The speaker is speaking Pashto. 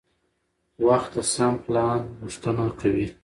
وخت د سم پلان غوښتنه کوي